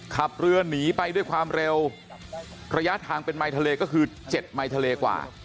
ขับเรือหนีไปด้วยความเร็วระยะทางเป็นไมค์ทะเลก็คือ๗ไมค์ทะเลกว่า